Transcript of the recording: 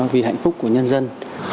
vì hạnh phúc của nhân dân